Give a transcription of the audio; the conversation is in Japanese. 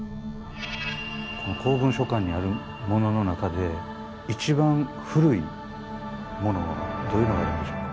この公文書館にあるものの中で一番古いものはどういうのがあるんでしょう？